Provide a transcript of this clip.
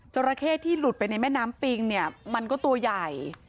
ราเข้ที่หลุดไปในแม่น้ำปิงเนี่ยมันก็ตัวใหญ่